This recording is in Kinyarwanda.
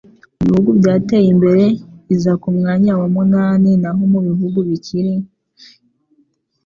mu bihugu byateye imbere iza ku mwanya wa munani naho mu bihugu bikiri